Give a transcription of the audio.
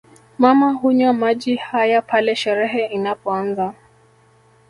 Mama hunywa maji haya pale sherehe inapoanza